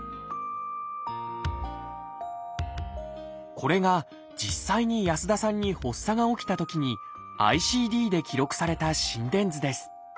これが実際に安田さんに発作が起きたときにＩＣＤで記録された心電図です。